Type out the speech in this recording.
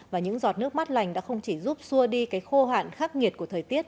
và những giọt nước mát lành đã không chỉ giúp xua đi cái khô hạn khắc nghiệt của thời tiết